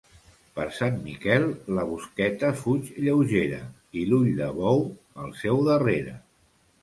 Per Sant Miquel la busqueta fuig lleugera i l'ull de bou, al seu darrere.